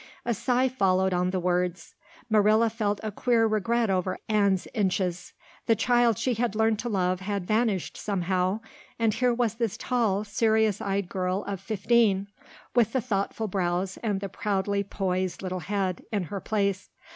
A sigh followed on the words. Marilla felt a queer regret over Anne's inches. The child she had learned to love had vanished somehow and here was this tall, serious eyed girl of fifteen, with the thoughtful brows and the proudly poised little head, in her place.